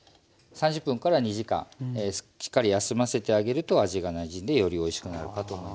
３０分２時間しっかり休ませてあげると味がなじんでよりおいしくなるかと思います。